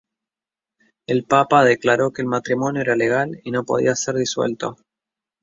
El papa declaró que el matrimonio era legal y no podía ser disuelto.